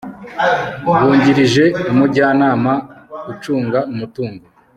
bungirije umujyanama ucunga umutungo